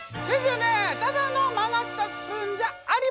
ただの曲がったスプーンじゃありません。